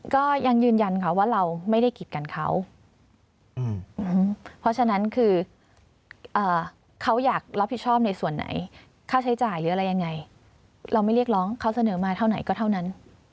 ก็ยังยืนยันค่ะว่าเราไม่ได้กิดกันเขาเพราะฉะนั้นคือเขาอยากรับผิดชอบในส่วนไหนค่าใช้จ่ายหรืออะไรยังไงเราไม่เรียกร้องเขาเสนอมาเท่าไหนก็เท่านั้น